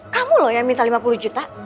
kamu loh yang minta lima puluh juta